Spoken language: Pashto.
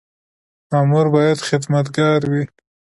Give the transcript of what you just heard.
مامور باید خدمتګار وي